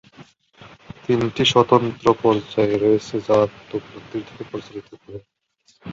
তিনটি স্বতন্ত্র পর্যায় রয়েছে যা আত্ম-উপলব্ধির দিকে পরিচালিত করে।